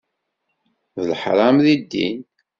D leḥram deg ddin.